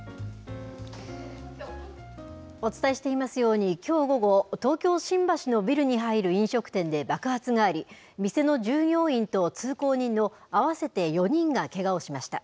お伝えしていますように、きょう午後、東京・新橋のビルに入る飲食店で爆発があり、店の従業員と通行人の合わせて４人がけがをしました。